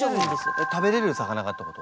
えっ食べれる魚がってこと？